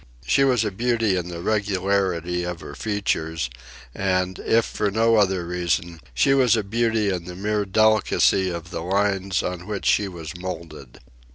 She was a beauty in the regularity of her features; and, if for no other reason, she was a beauty in the mere delicacy of the lines on which she was moulded.